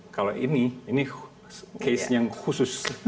kalau ini ini case yang khusus